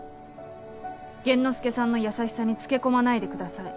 玄之介さんの優しさにつけ込まないでください。